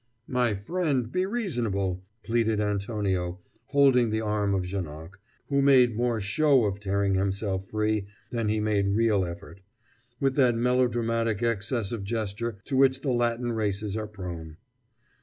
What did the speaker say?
"My friend, be reasonable!" pleaded Antonio, holding the arm of Janoc, who made more show of tearing himself free than he made real effort with that melodramatic excess of gesture to which the Latin races are prone.